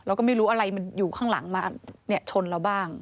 เราก็ไม่รู้อะไรมันอยู่ข้างหลังมาชนเราบ้าง